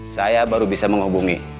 saya baru bisa menghubungi